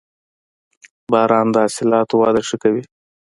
• باران د حاصلاتو وده ښه کوي.